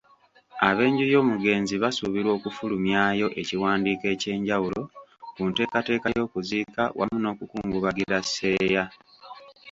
Ab'enju y'omugenzi basuubirwa okufulumyawo ekiwandiiko eky'enjawulo ku nteekateeka y'okuziika wamu n'okukungubagira Seeya.